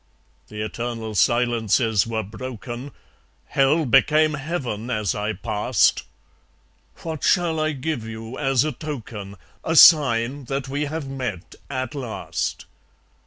The eternal silences were broken; Hell became Heaven as I passed. What shall I give you as a token, A sign that we have met, at last?